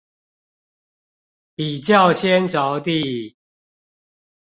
比較先著地